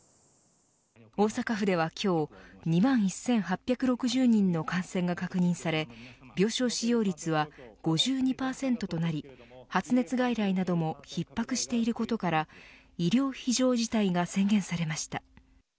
大阪府では今日２万１８６０人の感染が確認され病床使用率は５２％となり発熱外来なども逼迫していることから医療非常事態が宣言されました。